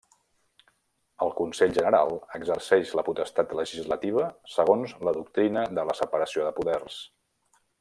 El Consell General exerceix la potestat legislativa segons la doctrina de la separació de poders.